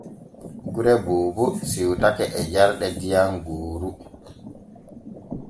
Gure Boobo siwtake e jarɗe diyam gooru.